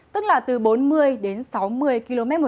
tức là từ bốn mươi đến sáu mươi kmh